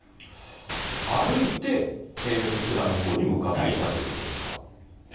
歩いてそちらのほうに向かっていたということですか。